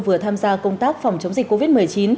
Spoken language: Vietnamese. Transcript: vừa tham gia công tác phòng chống dịch covid một mươi chín